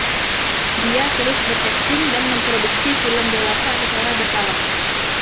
Dia terus berakting dan memproduksi film dewasa secara berkala.